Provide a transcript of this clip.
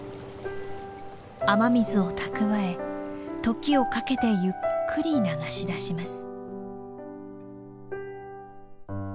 雨水を蓄え時をかけてゆっくり流し出します。